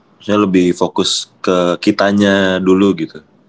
maksudnya lebih fokus ke kitanya dulu gitu